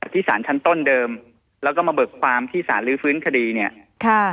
ที่สารชั้นต้นเดิมแล้วก็มาเบิกความที่สารลื้อฟื้นคดีเนี่ยค่ะ